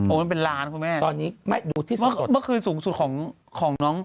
โอเคมันเป็นล้านครับคุณแม่วัคคืนสูงสุดของน้อง